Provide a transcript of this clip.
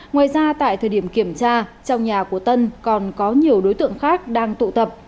ngoài ra tại thời điểm kiểm tra trong nhà của tân còn có nhiều đối tượng khác đang tụ tập